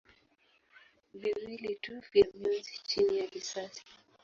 viwili tu vya mionzi chini ya risasi.